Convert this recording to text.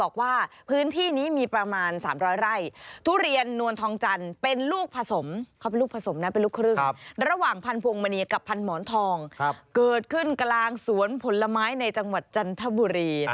เกิดขึ้นกลางสวนผลไม้ในจังหวัดจันทบุรี